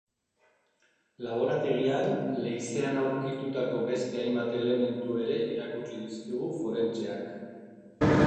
Laborategian, leizean aurkitutako beste hainbat elementu ere erakutsi dizkigu forentseak.